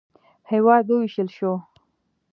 هېواد ووېشل شو.